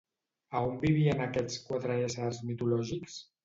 A on vivien aquests quatre éssers mitològics?